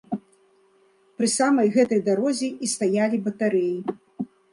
Пры самай гэтай дарозе і стаялі батарэі.